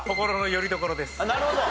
なるほど。